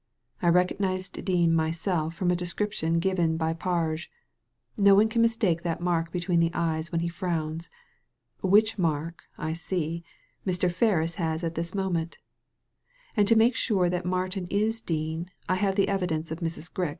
I recognized Dean myself from a description given by Parge. No one can mistake that mark between the eyes when he frowns — ^which mark, I see, Mr. Ferris has at this moment And to make sure that Martin is Dean, I have the evidence of Mrs. Grix."